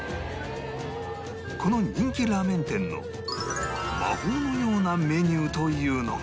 この人気ラーメン店の魔法のようなメニューというのが